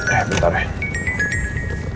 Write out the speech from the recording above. eh bentar ya